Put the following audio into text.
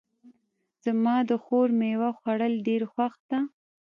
زما د خور میوه خوړل ډېر خوښ ده